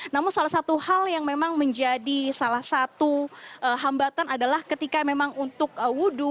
namun salah satu hal yang memang menjadi salah satu hambatan adalah ketika memang untuk wudhu